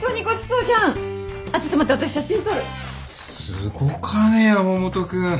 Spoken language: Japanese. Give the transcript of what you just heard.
すごかね山本君。